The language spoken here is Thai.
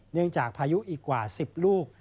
เนื่องจากพายุอีกกว่า๑๐ลูก